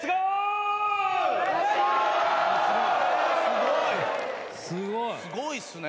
すごいっすね。